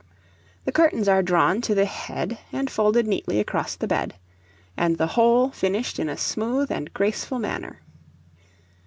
The curtains are drawn to the head and folded neatly across the bed, and the whole finished in a smooth and graceful manner.